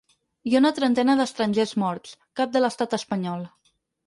Hi ha una trentena d’estrangers morts, cap de l’estat espanyol.